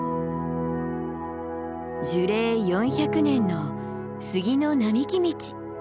樹齢４００年の杉の並木道。